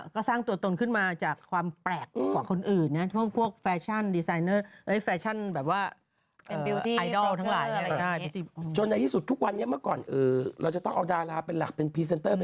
นางคิดแบบว่าไม่ไหวแล้วไปกดแล้วไปขบว